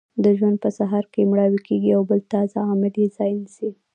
د ژوند په سهار کې مړاوې کیږي او بل تازه عامل یې ځای نیسي.